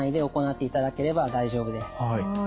はい。